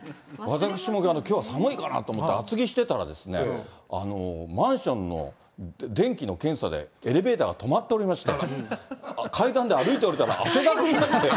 私もきょうは寒いかなと思って、厚着してたら、マンションの電気の検査でエレベーターが止まっておりまして、階段で歩いて下りたら、汗だくになりまして。